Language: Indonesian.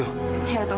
ya tunggu sebentar ya